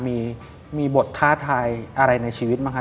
มีบทท้าทายอะไรในชีวิตบ้างคะ